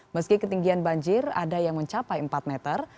meski ketinggian banjir ada yang mencapai empat meter